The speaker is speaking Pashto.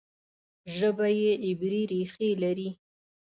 ژبه یې عبري ریښې لري.